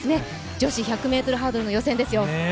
女子１００ｍハードルの予選ですよ。